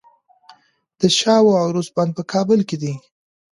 د شاه و عروس بند په کابل کې دی